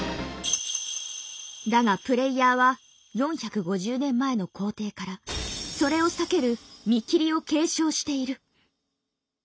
だがプレイヤーは４５０年前の皇帝からそれを避ける「見切り」を継承している。